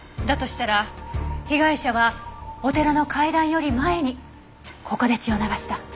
だとしたら被害者はお寺の階段より前にここで血を流した。